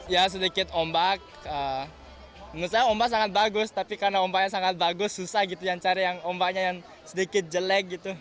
ya sedikit ombak menurut saya ombak sangat bagus tapi karena ombaknya sangat bagus susah cari yang sedikit jelek